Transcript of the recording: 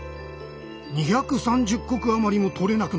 ２３０石余りもとれなくなったか。